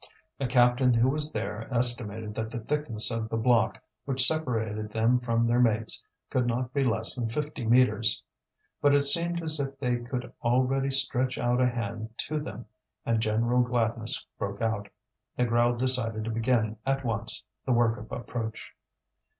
A captain who was there estimated that the thickness of the block which separated them from their mates could not be less than fifty metres. But it seemed as if they could already stretch out a hand to them, and general gladness broke out. Négrel decided to begin at once the work of approach.